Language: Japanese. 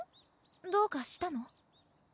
どうかしたの？